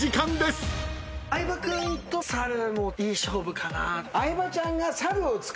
相葉君とサルもいい勝負かな。